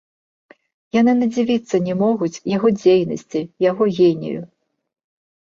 Яны надзівіцца не могуць яго дзейнасці, яго генію.